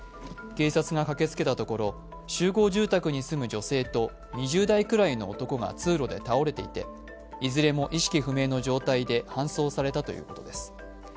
警察が駆けつけたところ、集合住宅に住む女性と２０代くらいの男が通路で倒れていて、いずれも意識不明の状態で搬送されたということです。